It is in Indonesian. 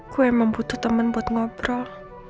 gue emang butuh teman buat ngobrol